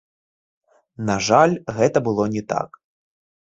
На жаль, гэта было не так.